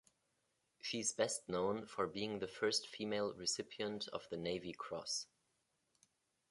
She is best known for being the first female recipient of the Navy Cross.